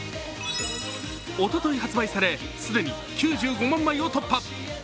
おととい発売され既に９５万枚を突破。